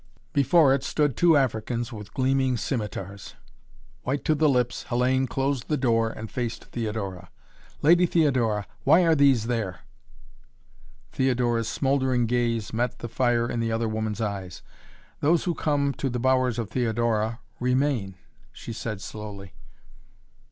Before it stood two Africans with gleaming scimitars. White to the lips, Hellayne closed the door and faced Theodora. "Lady Theodora why are these there?" Theodora's smouldering gaze met the fire in the other woman's eyes. "Those who come to the bowers of Theodora, remain," she said slowly.